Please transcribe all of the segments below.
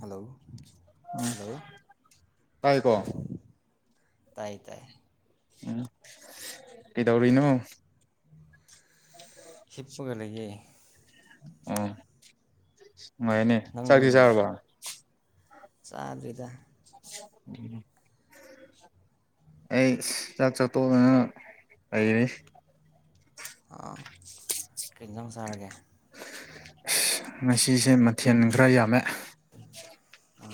hello ꯎꯝ hello ꯇꯥꯏꯀꯣ ꯇꯥꯏ ꯇꯥꯏ ꯎꯝ ꯀꯩꯗꯧꯔꯤꯅꯣ ꯍꯤꯞꯄꯒ ꯂꯩꯌꯦ ꯎꯝ ꯅꯨꯉꯥꯏꯌꯦꯅꯦ ꯅꯪꯗꯤꯕ꯭ꯔꯣ ꯆꯥꯗ꯭ꯔꯤꯗ [unintelligible] ꯑꯩꯁ ꯆꯥꯛ ꯆꯥ ꯇꯣꯛꯑꯒ ꯉꯥꯛ ꯂꯩꯔꯤ ꯑ ꯀꯩꯖꯥꯡ ꯁꯥꯔꯒꯦ ꯉꯁꯤꯁꯦ ꯃꯊꯦꯜ ꯈꯔ ꯌꯥꯝꯃꯦ ꯑ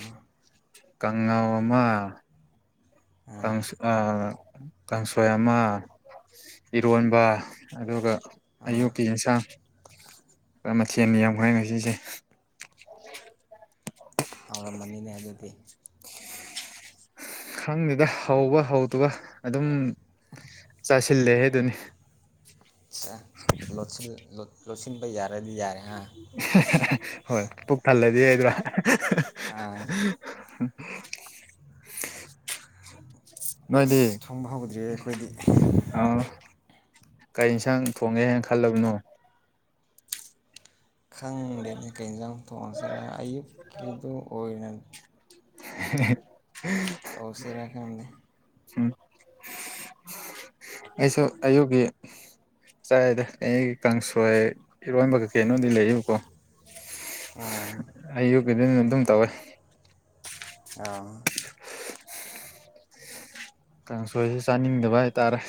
ꯀꯪꯡꯉꯧ ꯑꯃ ꯑꯥ ꯀꯥꯡꯁ ꯑ ꯀꯥꯡꯁꯣꯏ ꯑꯃ ꯏꯔꯣꯟꯕ ꯑꯗꯨꯒ ꯑꯥ ꯑꯌꯨꯛꯀꯤ ꯏꯟꯁꯥꯡ ꯃꯊꯦꯜ ꯌꯥꯝꯈ꯭ꯔꯦ ꯉꯁꯤꯁꯦ ꯍꯥꯎꯔꯝꯃꯅꯤꯅꯦ ꯑꯗꯨꯗꯤ ꯈꯪꯗꯦꯗ ꯍꯧꯕ ꯍꯧꯇꯕ ꯑꯗꯨꯝ ꯆꯥꯁꯤꯜꯂꯦ ꯍꯦ ꯑꯗꯨꯅꯤ ꯁꯥ ꯂꯣꯁꯤꯟ ꯂꯣꯠꯁꯤꯟꯕ ꯌꯥꯔꯦꯗꯤ ꯌꯥꯔꯦ ꯍꯥ ꯍꯣꯏ ꯄꯨꯛ ꯊꯜꯂꯗꯤ ꯍꯥꯏꯗ꯭ꯔꯥ ꯑꯥ ꯅꯣꯏꯗꯤ ꯑꯁ ꯊꯣꯡꯕ ꯍꯧꯗ꯭ꯔꯤꯌꯦ ꯑꯩꯈꯣꯏꯗꯤ ꯑ ꯀꯩ ꯏꯟꯁꯥꯡ ꯊꯣꯡꯒꯦ ꯍꯥꯏꯅ ꯈꯜꯂꯕꯅꯣ ꯈꯪꯗꯦꯅꯦ ꯀꯩ ꯏꯟꯖꯥꯡ ꯊꯣꯡꯁꯤꯔ ꯑꯌꯨꯛꯀꯤꯗꯨ ꯑꯣꯏꯅ [unintelligible] ꯇꯧꯁꯤꯔ ꯈꯪꯗꯦ ꯎꯝ ꯑꯩꯁꯨ ꯑꯌꯨꯛꯒꯤ ꯆꯥꯔꯦꯗ ꯑꯩꯒꯤ ꯀꯥꯡꯁꯣꯏ ꯏꯔꯣꯟꯕ ꯀꯩꯀꯩꯅꯣꯗꯤ ꯂꯩꯌꯦꯕꯀꯣ ꯑꯥ ꯑꯌꯨꯛꯀꯤꯗꯨꯅ ꯑꯗꯨꯝ ꯇꯧꯋꯦ ꯑꯥ ꯀꯥꯡꯁꯣꯏꯁ ꯆꯥꯅꯤꯡꯗꯕ ꯍꯥꯏꯇꯥꯔꯦ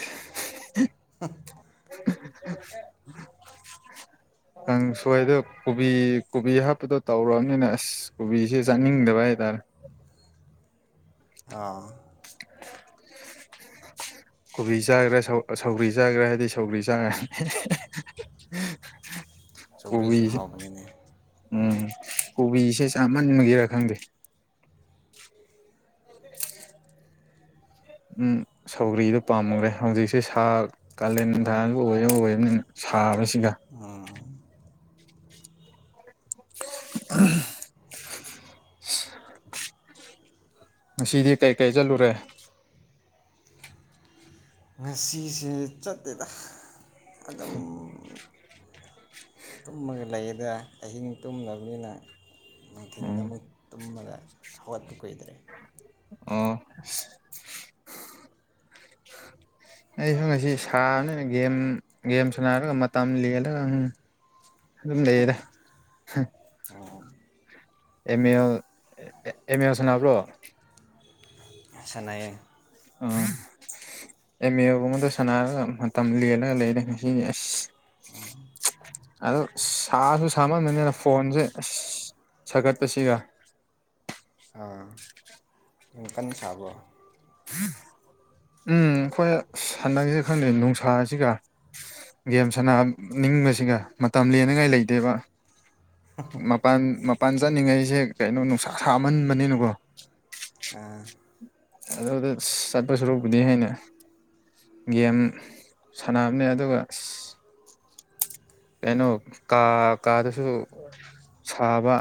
[unintelligible] ꯀꯥꯡ ꯁꯣꯏꯗ ꯀꯣꯕꯤ ꯀꯣꯕꯤ ꯍꯥꯞꯄꯗꯣ ꯇꯧꯔꯑꯕꯝꯅꯤꯅ ꯑꯁ ꯀꯣꯕꯤꯁꯦ ꯆꯥꯅꯤꯡꯗꯕ ꯍꯥꯏꯇꯥꯔꯦ ꯑꯥ ꯀꯣꯕꯤ ꯆꯥꯈ꯭ꯔꯦ ꯁꯧ ꯁꯧꯒ꯭ꯔꯤ ꯆꯥꯈ꯭ꯔꯥ ꯍꯥꯏꯗꯤ ꯁꯧꯒ꯭ꯔꯤ ꯆꯥꯔꯅꯤ ꯁꯧꯒ꯭ꯔꯤꯁꯨ ꯀꯣꯕꯤꯁꯦ ꯍꯥꯎꯕꯅꯤꯅꯦ ꯎꯝ ꯀꯣꯕꯤꯁꯦ ꯆꯥꯃꯟꯕꯒꯦꯔꯥ ꯈꯪꯗꯦ ꯎꯝ ꯁꯧꯒ꯭ꯔꯤꯗꯣ ꯄꯥꯝꯒꯔꯦ ꯍꯧꯖꯤꯛꯁꯦ ꯁꯥ ꯀꯥꯂꯦꯟꯊꯥꯅ ꯑꯣꯏ ꯑꯣꯏꯕꯅꯤꯅ ꯁꯥꯕꯁꯤꯒ ꯎꯝ [unintelligible] ꯉꯁꯤꯗꯤ ꯀꯩ ꯀꯩ ꯆꯠꯂꯨꯔꯦ ꯉꯁꯤꯁꯦ ꯆꯠꯇꯦꯗ ꯑꯗꯨꯝ ꯇꯨꯝꯃꯒ ꯂꯩꯗ ꯑꯍꯤꯡ ꯇꯨꯝꯗꯕꯅꯤꯅ ꯅꯨꯡꯊꯤꯜꯗ ꯎꯝ ꯑꯃꯨꯛ ꯇꯨꯝꯃꯒ ꯍꯧꯒꯠꯄ ꯀꯨꯏꯗ꯭ꯔꯤ ꯑꯣ ꯑꯩꯁꯨ ꯉꯁꯤ ꯁꯥꯕꯅꯤꯅ ꯒꯦꯝ ꯒꯦꯝ ꯁꯥꯟꯅꯔꯒ ꯃꯇꯝ ꯂꯦꯜꯂꯒ ꯎꯝ ꯑꯗꯨꯝ ꯂꯩꯗ ꯑꯦꯝ ꯑꯦꯜ ꯑꯦꯝ ꯑꯦꯜ ꯁꯥꯟꯅꯕ꯭ꯔꯣ ꯁꯥꯟꯅꯩꯌꯦ [inaudible] ꯑꯥ ꯑꯦꯝ ꯑꯦꯜꯒꯨꯝꯕꯗꯨ ꯁꯥꯟꯅꯔꯒ ꯃꯇꯝ ꯂꯦꯜꯂꯒ ꯂꯩꯔꯦ ꯉꯁꯤꯗꯤ ꯑꯁ ꯑꯗꯣ ꯁꯥꯁꯨ ꯁꯥꯃꯟꯅꯕꯅꯤꯗ ꯐꯣꯟꯁꯦ ꯑꯁ ꯁꯥꯒꯠꯄꯁꯤꯒ ꯑꯥ ꯌꯝ ꯀꯟꯅ ꯁꯥꯕ꯭ꯔꯣ ꯎꯝ ꯑꯩꯈꯣꯏ ꯑꯁ ꯍꯥꯟꯗꯥꯛꯁꯤ ꯈꯪꯗꯦ ꯅꯨꯡꯁꯥꯁꯤꯒ ꯒꯦꯝ ꯁꯅ ꯅꯤꯡꯕꯁꯤꯒ ꯃꯇꯝ ꯂꯦꯅꯤꯡꯉꯥꯏ ꯂꯩꯇꯦꯕ ꯃꯄꯥꯟ ꯃꯄꯥꯟ ꯆꯠꯅꯤꯡꯉꯩꯁꯦ ꯀꯩꯅꯣ ꯅꯨꯡꯁꯥ ꯁꯃꯥꯟꯕꯅꯤꯅꯀꯣ ꯑꯥ ꯑꯗꯨꯗ ꯆꯠꯄ ꯁꯥꯔꯨꯛ ꯗꯤ ꯍꯥꯏꯅ ꯒꯦꯝ ꯁꯥꯟꯅꯕꯅꯦ ꯑꯗꯨꯒ ꯑꯁ ꯀꯩꯅꯣ ꯀꯥ ꯀꯥꯗꯁꯨ ꯁꯥꯕ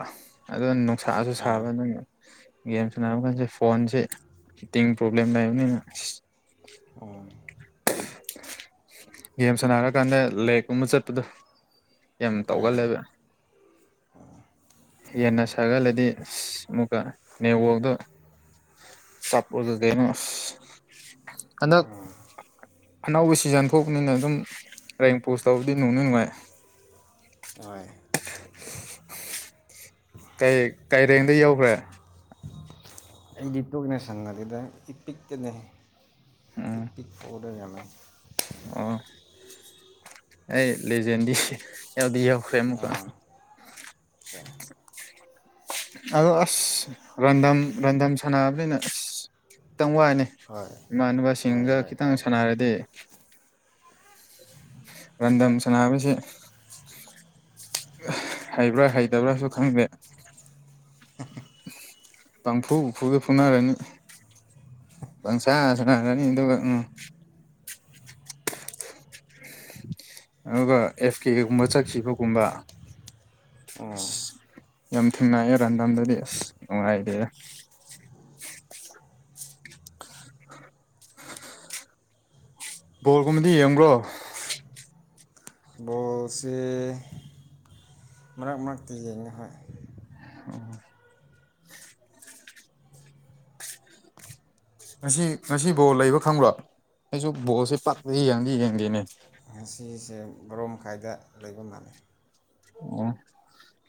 ꯑꯗꯨ ꯅꯨꯡꯁꯥꯁꯨ ꯁꯥꯕ ꯅꯪ ꯒꯦꯝ ꯁꯟꯅꯅꯕ ꯀꯥꯟꯁꯦ ꯐꯣꯟꯁꯦ ꯍꯤꯇꯤꯡ ꯄ꯭ꯔꯣꯕ꯭ꯂꯦꯝ ꯂꯩꯕꯅꯤꯅ ꯑ ꯑꯣ ꯒꯦꯝ ꯁꯥꯟꯅꯔ ꯀꯥꯟꯗ ꯂꯦꯛꯀꯨꯝꯕ ꯆꯠꯄꯗꯨ ꯌꯥꯝ ꯍꯣꯏ ꯇꯧꯒꯜꯂꯦꯕ ꯍꯦꯟꯅ ꯁꯥꯒꯠꯂꯗꯤ ꯑꯁ ꯑꯃꯨꯛꯀ ꯅꯦꯠꯋꯥꯛꯇꯣ ꯆꯞꯔꯒ ꯀꯩꯅꯣ ꯑꯁ ꯍꯟꯗꯥꯛ ꯑꯅꯧꯕ ꯁꯤꯖꯟ ꯊꯣꯛꯄꯅꯤꯅ ꯑꯗꯨꯝ ꯔꯦꯡ ꯄꯣꯁ ꯇꯧꯕꯗꯤ ꯅꯨꯡꯗꯤ ꯅꯨꯡꯉꯥꯏ [inaudible] ꯍꯣꯏ ꯀꯩ ꯀꯩ ꯔꯦꯡꯗ ꯌꯧꯈ꯭ꯔꯦ ꯑꯩꯗꯤ ꯇꯣꯏꯅ ꯁꯥꯟꯅꯗꯦꯗ ꯏꯄꯤꯛꯇꯅꯦ ꯎꯝ ꯏꯄꯤꯛ ꯐꯥꯎꯗ ꯌꯥꯝꯕꯅꯤ [unintelligible] ꯑꯣ ꯑꯩ ꯂꯦꯖꯦꯟꯗꯤ ꯌꯥꯎꯗꯤ ꯌꯥꯎꯈ꯭ꯔꯦ ꯑꯃꯨꯛꯀ ꯑꯆꯥ ꯑꯗꯣ ꯑꯁ ꯔꯦꯟꯗꯝ ꯔꯟꯗꯝ ꯁꯥꯟꯅꯕꯅꯤꯅ ꯑꯁ ꯈꯤꯇꯪ ꯋꯥꯏꯅꯦ ꯍꯣꯏ ꯍꯣꯏ ꯏꯃꯥꯟꯅꯕꯁꯤꯡꯒ ꯍꯣꯏ ꯈꯤꯇꯪ ꯇꯧꯕꯅꯤ ꯁꯥꯟꯅꯔꯗꯤ ꯔꯦꯟꯗꯝꯗꯝ ꯁꯅꯥꯕꯁꯤ ꯍꯩꯕ꯭ꯔꯥ ꯍꯩꯇꯕ꯭ꯔꯥꯁꯨ ꯈꯪꯗꯦ ꯄꯥꯡꯐꯨ ꯐꯨꯒ ꯐꯨꯅꯔꯅꯤ ꯄꯪꯁꯥꯟ ꯁꯥꯟꯅꯔꯅꯤ ꯑꯗꯨꯒ ꯎꯝ ꯑꯗꯨꯒ [unintelligible] ꯒꯨꯝꯕ ꯆꯠꯈꯤꯕꯒꯨꯝꯕ ꯑꯁ ꯌꯥꯝ ꯊꯦꯡꯅꯩꯌꯦ ꯔꯦꯟꯗꯥꯝꯗꯗꯤ ꯑꯁ ꯅꯨꯡꯉꯥꯏꯇꯦꯗ ꯕꯣꯜꯒꯨꯝꯕꯗꯤ ꯌꯦꯡꯕ꯭ꯔꯣ ꯕꯣꯜꯁꯤ ꯃꯔꯛ ꯃꯔꯛꯇ ꯌꯦꯡꯉꯦ ꯍꯣꯏ ꯑꯣ ꯉꯁꯤ ꯉꯁꯤ ꯕꯣꯜ ꯂꯩꯕ ꯈꯪꯕ꯭ꯔꯣ ꯑꯩꯁꯨ ꯕꯣꯜꯁꯦ ꯄꯛꯅꯗꯤ ꯌꯦꯡꯗꯤ ꯌꯦꯡꯗꯦꯅꯦ ꯉꯁꯤꯁꯦ ꯕꯔꯣ ꯃꯈꯥꯏꯗ ꯂꯩꯕ ꯃꯥꯂꯦ ꯑꯣ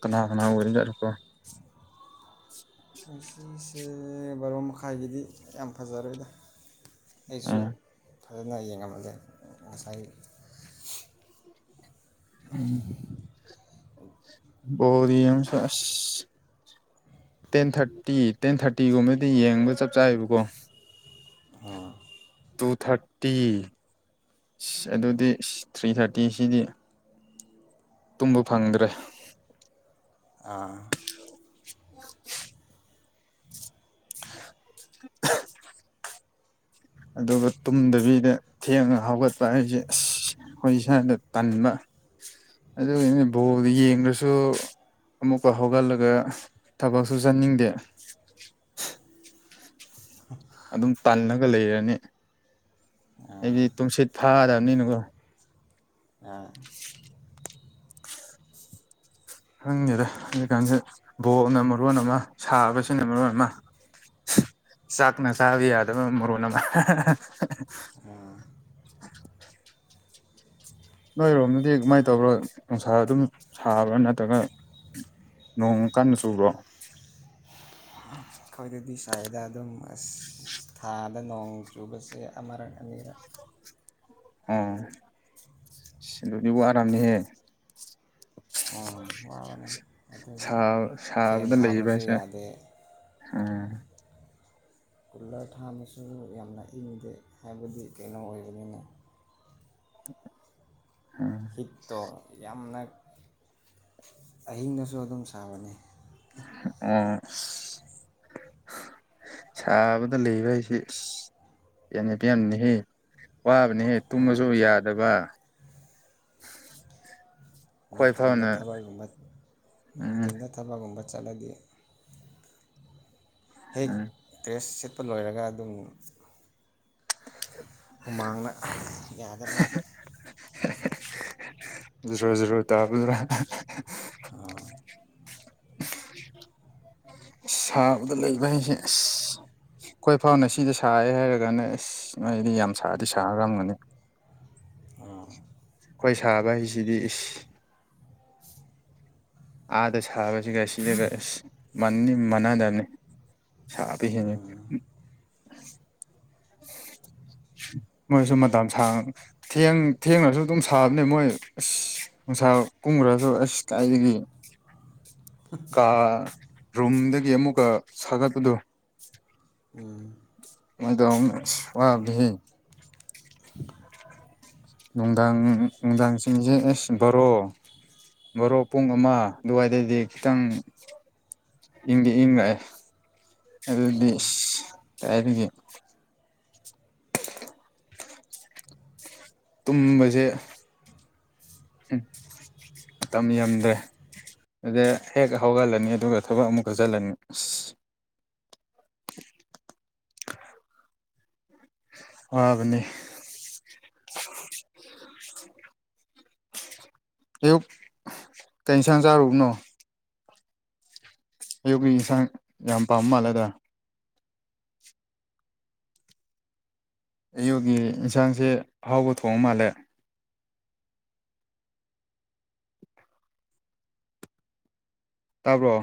ꯀꯅꯥ ꯀꯅꯥ ꯑꯣꯏꯔꯤ ꯖꯥꯠꯅ‌ꯣ ꯀꯣ ꯉꯁꯤꯁꯦ ꯕꯥꯔꯣ ꯃꯈꯥꯏꯒꯤꯗꯤ ꯌꯥꯝ ꯐꯖꯔꯣꯏꯗ ꯑꯩꯁꯨ ꯑꯣ ꯐꯖꯅ ꯌꯦꯡꯉꯝꯃꯒ‌ꯦ ꯉꯁꯥꯏ ꯎꯝ ꯕ‌ꯣꯜ ꯌ‌ꯦꯡꯕꯁ‌ꯦ ꯑꯁ ꯇꯦꯟ ꯊꯔꯥꯠꯇꯤ ꯇꯦꯟ ꯊꯔꯥꯠꯇꯤꯒꯨꯝꯕꯗꯤ ꯌꯦꯡꯕ ꯆꯞ ꯆꯥꯏꯕꯀꯣ ꯑꯥ ꯇꯨ ꯊꯔꯥꯠꯇꯤ ꯑꯗꯨꯗꯤ ꯊ꯭ꯔꯤ ꯊꯥꯔꯇꯤꯁꯤꯗꯤ ꯇꯨꯝꯕ ꯐꯪꯗ꯭ꯔꯦ ꯑꯥ [unintelligible] [unintelligible] ꯑꯗꯨꯒ ꯇꯨꯝꯗꯕꯤꯗ ꯊꯦꯡꯅ ꯍꯧꯒꯠꯄ ꯍꯥꯏꯖ‌ꯦ ꯑꯁ ꯈꯣꯏ ꯏꯁꯥꯗ ꯇꯟꯕ ꯑꯗꯨꯒꯤꯅꯤ ꯕꯣꯜ ꯌꯦꯡꯔꯁꯨ ꯑꯃꯨꯛꯀ ꯍꯧꯒꯠꯂꯒ ꯊꯕꯛꯁꯨ ꯆꯠꯅꯤꯡꯗꯦ ꯑꯗꯨꯝ ꯇꯜꯂꯒ ꯂꯩꯔꯅꯤ ꯑꯩꯗꯤ ꯇꯨꯝꯁꯤꯠ ꯐꯥꯗꯝꯅꯤꯅꯀꯣ ꯑꯥ ꯈꯪꯗꯔꯦ ꯍꯧꯖꯤꯛ ꯀꯥꯟꯁ‌ꯦ ꯕꯣꯟꯅ ꯃꯔꯣꯟ ꯑꯃꯥ ꯁꯥꯕꯁꯤꯅ ꯃꯔꯣꯟ ꯑꯃꯥ ꯆꯥꯛꯅ ꯆꯥꯕ ꯌꯥꯗꯕ ꯃꯔ‌ꯣꯟ ꯑꯃꯥ ꯅꯣꯏꯔꯣꯝꯗꯤ ꯒꯃꯥꯏ ꯇꯧꯕ꯭ꯔꯣ ꯅꯨꯡꯁꯥ ꯑꯗꯨꯝ ꯁꯥꯕ꯭ꯔꯥ ꯅꯠꯇ꯭ꯔꯒ ꯅꯣꯡ ꯀꯟꯅ ꯆꯨꯕ꯭ꯔꯣ ꯈꯪꯗꯗꯤ ꯁꯥꯏꯌ‌ꯦꯗ ꯑꯗꯨꯝ ꯑꯁ ꯊꯥꯗ ꯅꯣꯡ ꯆꯨꯕꯁꯦ ꯑꯃꯥꯔꯛ ꯑꯅꯤꯔꯛ ꯎꯝ ꯑꯗꯨꯗꯤ ꯋꯥꯔꯝ ꯅꯤꯍꯦ [unintelligible] ꯋꯥꯕꯅꯦ ꯑꯗꯨꯗꯤ ꯁꯥ ꯐ‌ꯦꯟ ꯁꯥꯕꯗ ꯂꯩꯕ ꯊꯥꯕꯁꯨ ꯍꯥꯏꯁꯦ ꯌꯥꯗꯦ ꯎꯝ ꯀꯨꯂꯔ ꯊꯥꯕꯁꯨ ꯌꯥꯝꯅ ꯏꯪꯗꯦ ꯍꯥꯏꯕꯗꯤ ꯀꯩꯅꯣ ꯑꯣꯏꯕꯅꯤꯅ [inaudible] ꯎꯝ ꯍꯤꯠꯇꯣ ꯌꯥꯝꯅꯛ ꯑꯍꯤꯡꯅꯁꯨ ꯑꯗꯨꯝ ꯁꯥꯕꯅꯤ [unintelligible] ꯁꯥꯕꯗ ꯂꯩꯕ ꯍꯥꯏꯁꯦ ꯑꯁ ꯌꯥꯅꯕꯤ ꯌꯥꯝꯅꯍꯦ ꯋꯥꯕꯅꯤꯍꯦ ꯇꯨꯝꯃꯖꯨ ꯌꯥꯗꯕ [inaudible] ꯊꯤꯟꯗ ꯐꯥꯎꯅ ꯊꯕꯒꯨꯝꯕꯠ ꯎꯝ ꯅꯨꯡꯊꯤꯟꯗ ꯊꯕꯒꯨꯝꯕ ꯆꯠꯂꯗꯤ ꯍꯦꯛ ꯎꯝ ꯇ꯭ꯔꯦꯁ ꯁ‌ꯦꯠꯄ ꯂꯣꯏꯔꯒ ꯑꯗꯨꯝ ꯍꯨꯃꯥꯡꯅꯛ ꯌꯥꯗꯕꯅ‌ꯦ ꯖ‌ꯣꯔꯣ ꯖ‌ꯣꯔꯣ ꯇꯥꯕ ꯗꯨꯅ ꯁꯥꯕꯗ ꯂꯩꯕ ꯍꯥꯏꯁꯦ ꯑꯁ ꯈ‌ꯣꯏ ꯐꯥꯎꯅ ꯁꯤꯗ ꯁꯥꯌ‌ꯦ ꯍꯥꯏꯔꯒꯅ‌ꯦ ꯑꯁ ꯅ‌ꯣꯏꯗꯤ ꯌꯥꯝ ꯁꯥꯗꯤ ꯁꯥ ꯔꯝꯒꯅꯤ ꯑꯥ ꯈꯣꯏ ꯁꯥꯕ ꯍꯩꯁꯤꯗꯤ ꯏꯁ ꯑꯥꯗ ꯁꯥꯕꯖꯤꯒ ꯁꯤꯗꯒ ꯑꯁ ꯃꯥꯟꯗꯤ ꯃꯥꯟꯅꯗꯝꯅ‌ꯦ ꯁꯥꯕ ꯍ‌ꯦꯟꯕꯩ ꯃꯣꯏꯁꯨ ꯃꯇꯝ ꯁꯥꯡ ꯊꯦꯡ ꯊꯦꯡꯅꯖꯨ ꯑꯗꯨꯝ ꯁꯥꯕꯅꯦ ꯃꯣꯏ ꯑꯁ ꯅꯨꯡꯁꯥ ꯀꯨꯝꯃꯨꯔꯒ ꯑꯁ ꯀꯥꯏꯗꯒꯤ ꯀꯥ ꯔꯨꯝꯗꯒꯤ ꯑꯃꯨꯛꯀ ꯁꯥꯒꯠꯄꯗꯨ [unintelligible] ꯋꯥꯕꯅꯦꯍꯦ ꯅꯨꯡꯗꯥꯡ ꯅꯨꯡꯗꯥꯡꯁꯤꯡꯁꯦ ꯑꯁ ꯕꯥꯔꯣ ꯕꯥꯔꯣ ꯄꯨꯡ ꯑꯃ ꯑꯗꯨꯋꯥꯏꯗꯩꯩꯗꯤ ꯈꯤꯇꯪ ꯏꯪꯗꯤ ꯏꯪꯔꯛꯑꯦ ꯑꯗꯨꯗꯤ ꯏꯁ ꯀꯥꯏꯗꯒꯤ ꯇꯨꯝꯕꯁꯦ ꯍꯨꯝ ꯃꯇꯝ ꯌꯥꯝꯗ꯭ꯔꯦ ꯑꯗ ꯍꯦꯛ ꯍꯧꯒꯠꯂꯅꯤ ꯑꯗꯨꯒ ꯊꯕꯛ ꯑꯃꯨꯛꯀ ꯆꯠꯂꯅꯤ ꯑ ꯋꯥꯕꯅꯤ ꯑꯌꯨꯛ ꯀꯩ ꯏꯟꯁꯥꯡ ꯆꯥꯔꯨꯕꯅꯣ ꯑꯌꯨꯛꯀꯤ ꯌꯦꯟꯁꯥꯡ ꯌꯥꯝ ꯄꯥꯝꯕ ꯃꯥꯜꯂꯦꯗ ꯑꯌꯨꯛꯒꯤ ꯌꯦꯟꯁꯥꯡꯁꯦ ꯑꯍꯥꯎꯕ ꯊꯣꯡ ꯃꯥꯜꯂꯦ ꯇꯥꯕ꯭ꯔꯣ